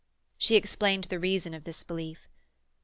She explained the reason of this belief.